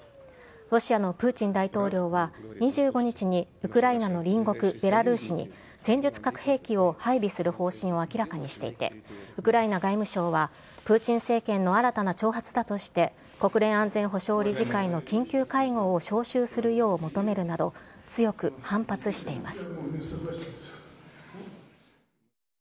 ロシアのプーチン大統領は、２５日にウクライナの隣国ベラルーシに戦術核兵器を配備する方針を明らかにしていて、ウクライナ外務省は、プーチン政権の新たな挑発だとして、国連安全保障理事会の緊急会合を招集するよう求めるなど、強く反発しています。